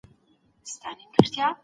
موږ بريالي کېږو.